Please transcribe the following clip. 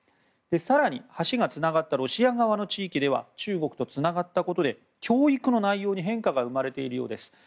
更に、橋がつながったロシア側の地域では中国とつながったことで教育の内容に変化が生まれているようです。